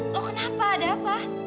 lo kenapa ada apa